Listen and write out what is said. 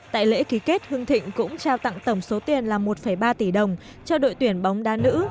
tại lễ ký kết hưng thịnh cũng trao tặng tổng số tiền là một ba tỷ đồng cho đội tuyển bóng đá nữ